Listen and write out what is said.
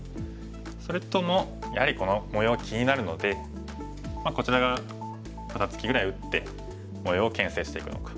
それともやはりこの模様が気になるのでこちら側肩ツキぐらい打って模様をけん制していくのか。